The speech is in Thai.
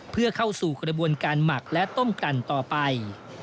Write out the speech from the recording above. เพื่อเข้าสู่กระบวนการหมักและต้มกันต่อไป